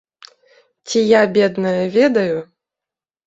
Ці я, бедная, ведаю?